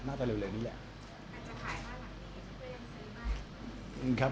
น่าจะเร็วนี้แหละ